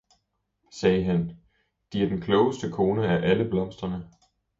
sagde han, De er den klogeste kone af alle blomsterne!